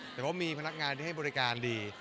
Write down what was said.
แต่ว่ามีพนักงานที่ให้บริการดี